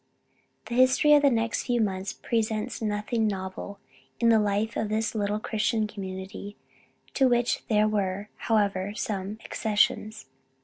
The history of the next few months presents nothing novel in the life of this little Christian community, to which there were however some accessions.